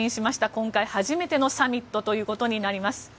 今回、初めてのサミットということになります。